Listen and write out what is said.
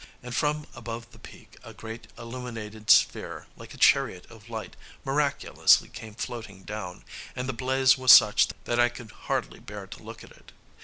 And from above the peak a great illuminated sphere, like a chariot of light, miraculously came floating down; and the blaze was such that I could hardly bear to look at it.